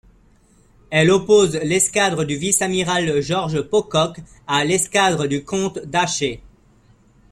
Elle oppose l'escadre du vice-amiral George Pocock à l'escadre du comte d'Aché.